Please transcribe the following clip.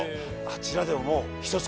あちらでももう。